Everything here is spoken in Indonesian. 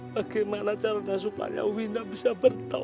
bagaimana cara dengan supangnya wina bisa malah hidup di sana ya